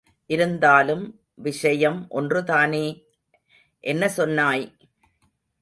இருந்தாலும் விஷயம் ஒன்றுதானே! என்ன சொன்னாய்!